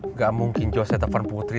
nggak mungkin joe saya telepon putri